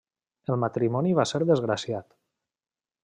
El matrimoni va ser desgraciat.